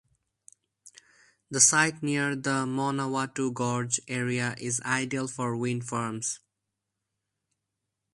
The site near the Manawatu Gorge area is ideal for wind farms.